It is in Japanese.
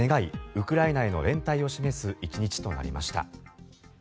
ウクライナへの連帯を示す１日となりました。